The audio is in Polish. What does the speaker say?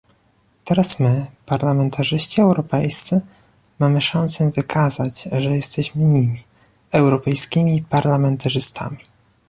Teraz my, parlamentarzyści europejscy, mamy szansę wykazać, że jesteśmy nimi, europejskimi parlamentarzystami